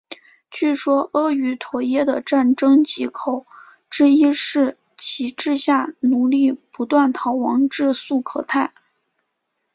据说阿瑜陀耶的战争藉口之一是其治下奴隶不断逃亡至素可泰。